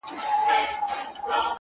اوس د چا پر پلونو پل نږدم بېرېږم.